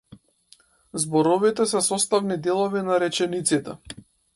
Зборовите се составни делови на речениците.